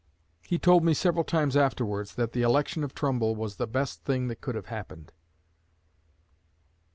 He told me several times afterwards that the election of Trumbull was the best thing that could have happened."